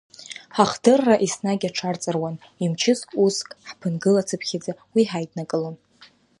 Ҳахдырра еснагь аҽарҵаруан, имчыз уск ҳԥынгылацыԥхьаӡа, уи ҳаиднакылон.